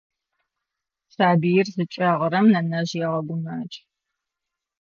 Сабыир зыкӏэгъырэм нэнэжъ егъэгумэкӏы.